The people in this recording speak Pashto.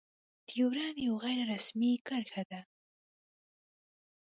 ډيورنډ يو غير رسمي کرښه ده.